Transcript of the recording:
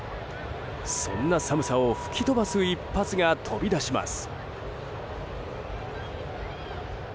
そんな寒さを吹き飛ばす一発が飛び出します。